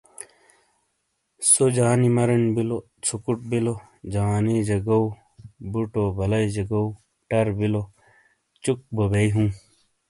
سو جانی مرن بیلو، ژوکوٹ بیلو، جوانیجا گو، بوٹو بلائیجا گو، ٹر بیلوں، چوک بو بئ ہوں۔